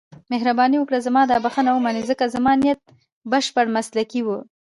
مهرباني وکړئ زما دا بښنه ومنئ، ځکه زما نیت بشپړ مسلکي و.